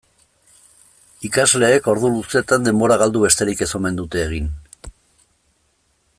Ikasleek ordu luzeetan denbora galdu besterik ez omen dute egin.